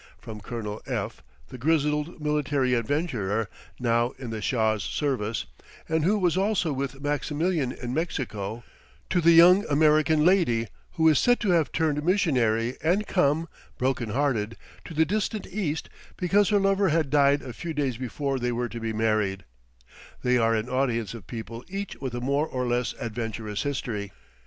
From Colonel F ______, the grizzled military adventurer, now in the Shah's service, and who was also with Maximilian in Mexico, to the young American lady who is said to have turned missionary and come, broken hearted, to the distant East because her lover had died a few days before they were to be married, they are an audience of people each with a more or less adventurous history.